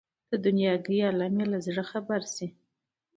د دنیاګۍ عالم یې له زړه خبر شي.